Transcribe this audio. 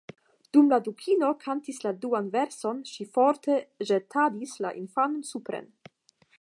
Dum la Dukino kantis la duan verson, ŝi forte ĵetadis la infanon supren.